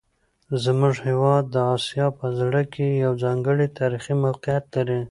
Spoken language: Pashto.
زموږ هیواد د اسیا په زړه کې یو ځانګړی تاریخي موقعیت لري.